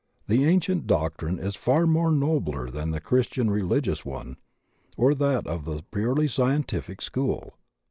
The ancient doctrine is far nobler than the Chris tian religious one or that of the purely scientific school.